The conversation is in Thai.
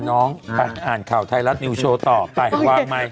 น้องไปอ่านข่าวไทยรัฐนิวโชว์ต่อไปวางไมค์